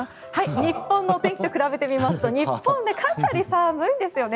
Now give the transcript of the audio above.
日本の天気と比べてみますと日本、かなり寒いですよね。